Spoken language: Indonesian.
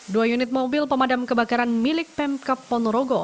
dua unit mobil pemadam kebakaran milik pemkap ponorogo